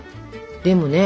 でもね